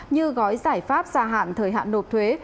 như gói giải pháp gia hạn thời hạn nộp thuế